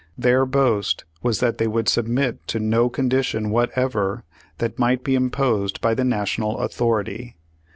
Their boast was that they would sub mit to no condition whatever that might be im posed by the National authority.